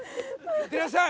いってらっしゃい！